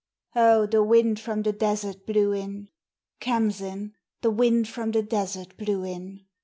Oh, the wind from the desert blew in! Khamsin, The wind from the desert blew in!